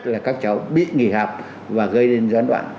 là các cháu bị nghỉ học và gây đến gián đoạn